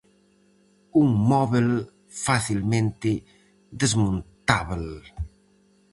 Un móbel facilmente desmontábel.